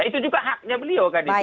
itu juga haknya beliau begitu